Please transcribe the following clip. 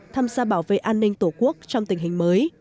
tham gia bảo vệ an ninh tổ quốc trong tình hình mới